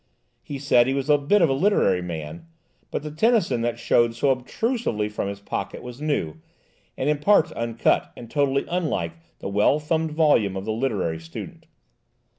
He said he was a bit of a literary man, but the Tennyson that showed so obtrusively from his pocket was new, and in parts uncut, and totally unlike the well thumbed volume of the literary student.